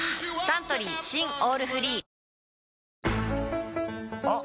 サントリー新「オールフリー」あ！